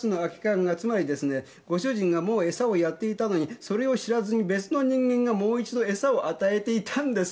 つまりですねご主人がもうエサをやっていたのにそれを知らずに別の人間がもう一度エサを与えていたんです。